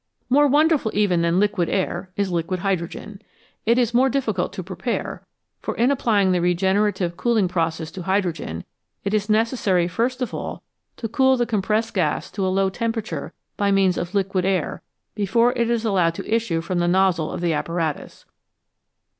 More wonderful even than liquid air is liquid hydrogen. It is more difficult to prepare, for in applying the regenerative cooling process to hydrogen, it is necessary first of all to cool the compressed gas to a low temperature by means of liquid air before it is allowed to issue from the nozzle of the apparatus.